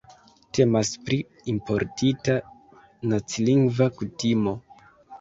Temas pri importita nacilingva kutimo.